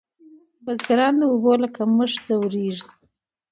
بزګران د اوبو له کمښت ځوریږي.